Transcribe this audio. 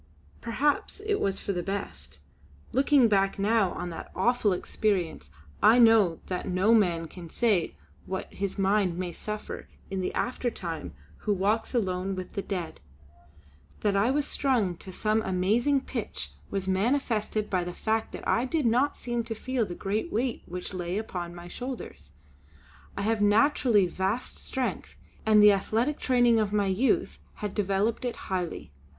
Perhaps it was for the best; looking back now on that awful experience, I know that no man can say what his mind may suffer in the aftertime who walks alone with the Dead. That I was strung to some amazing pitch was manifested by the fact that I did not seem to feel the great weight which lay upon my shoulders. I have naturally vast strength and the athletic training of my youth had developed it highly.